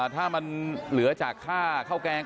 ถ้ามันเหลือจากค่าข้าวแกง